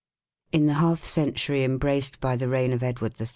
In the half century embraced by the reign of Edward 1 " Rot.